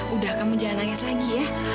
udah kamu jalan nangis lagi ya